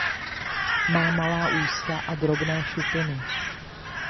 Má malá ústa a drobné šupiny.